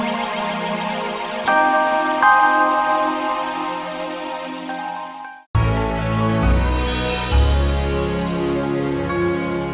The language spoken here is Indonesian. ya ini yang menarung